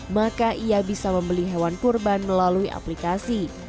maka ia bisa membeli hewan kurban melalui aplikasi